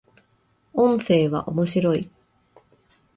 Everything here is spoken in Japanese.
音声は、面白い